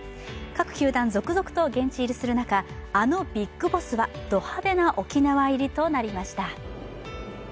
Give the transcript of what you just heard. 各球団、続々と現地入りする中、あのビッグボスはド派手な沖縄入りとなりました。